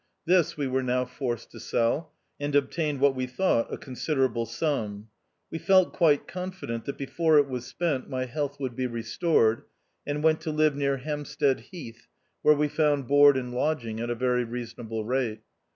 This we were now forced to sell, and obtained what we thought a considerable sum. We felt quite confident, that before it was spent, my health would be restored, and went to live near Hampstead Heath, where we found board and lodging at a very reasonable rate.